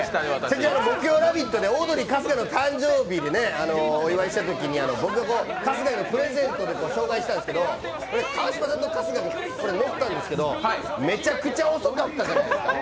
木曜「ラヴィット！」で誕生日で、お祝いしたときに春日へのプレゼントで紹介したんですけど、川島さんと春日が乗ったんですけどめちゃくちゃ遅かった。